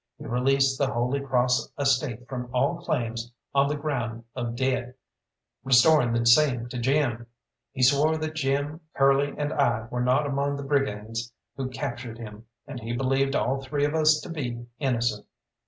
He released the Holy Cross estate from all claims on the ground of debt, restoring the same to Jim. He swore that Jim, Curly, and I were not among the brigands who captured him, and he believed all three of us to be innocent.